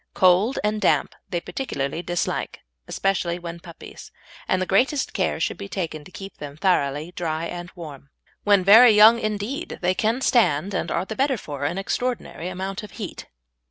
Cold and damp they particularly dislike, especially when puppies, and the greatest care should be taken to keep them thoroughly dry and warm. When very young indeed they can stand, and are the better for, an extraordinary amount of heat.